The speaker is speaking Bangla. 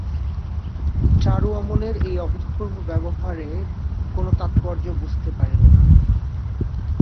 চারু অমলের এই অভূতপূর্ব ব্যবহারের কোনো তাৎপর্য বুঝিতে পারিল না।